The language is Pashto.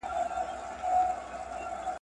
چي نه کوي الله، څه به وکي خوار ملا.